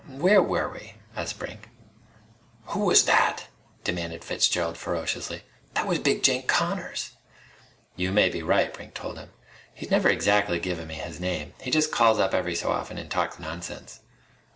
where were we?" asked Brink. "Who was that?" demanded Fitzgerald ferociously. "That was Big Jake Connors!" "You may be right." Brink told him. "He's never exactly given me his name. He just calls up every so often and talks nonsense."